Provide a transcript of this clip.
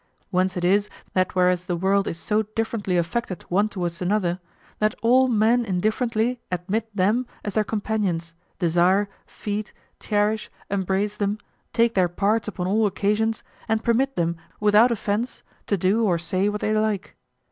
Whence it is that whereas the world is so differently affected one towards another, that all men indifferently admit them as their companions, desire, feed, cherish, embrace them, take their parts upon all occasions, and permit them without offense to do or say what they like.